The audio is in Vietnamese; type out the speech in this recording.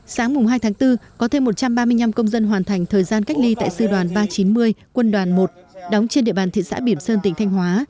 sáng hai tháng bốn có thêm một trăm ba mươi năm công dân hoàn thành thời gian cách ly tại sư đoàn ba trăm chín mươi quân đoàn một đóng trên địa bàn thị xã biểm sơn tỉnh thanh hóa